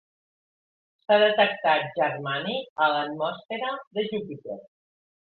S'ha detectat germani a l'atmosfera de Júpiter.